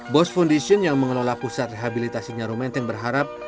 bos foundation yang mengelola pusat rehabilitasi nyarumenteng berharap